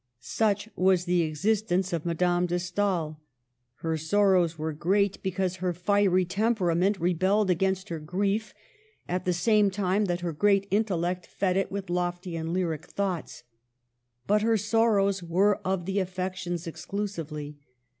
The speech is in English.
Such was the existence of Madame de Stael. Her sorrows were great because her fiery Digitized by VjOOQLC AND AUGUSTE SCHLEGEL AT ROME. 151 temperament rebelled against her grief, at the same time that her great intellect fed it with lofty and lyric thoughts. But her sorrows were of the affections exclusively.